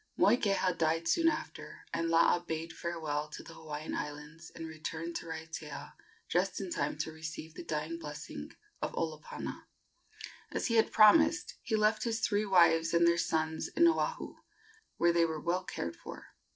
Moikeha died soon after, and Laa bade farewell to the Hawaiian Islands and returned to Raiatea just in time to receive the dying blessing of Olopana. As he had promised, he left his three wives and their sons in Oahu, where they were well cared for.